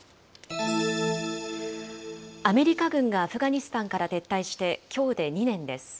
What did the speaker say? アメリカ軍がアフガニスタンから撤退してきょうで２年です。